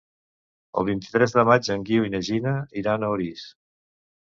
El vint-i-tres de maig en Guiu i na Gina iran a Orís.